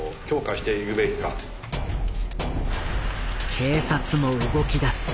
警察も動きだす。